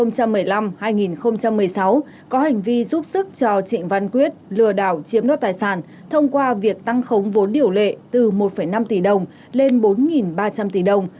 có hành vi giúp sức cho trịnh văn quyết lừa đảo chiếm đoạt tài sản thông qua việc tăng khống vốn điều lệ từ một năm tỷ đồng lên bốn ba trăm linh tỷ đồng